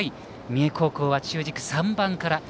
三重高校は中軸、３番から。